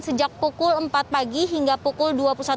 sejak pukul empat pagi hingga pukul dua puluh satu